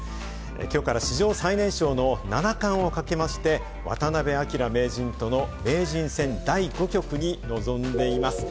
きょうから史上最年少の七冠をかけまして、渡辺明名人との名人戦第５局に臨んでいます。